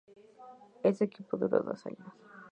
Ese equipo duró dos años.